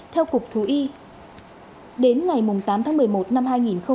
theo cục thú y đến ngày tám tháng một mươi một năm hai nghìn hai mươi ba